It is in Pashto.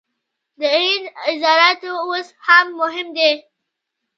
د هند زراعت اوس هم مهم دی.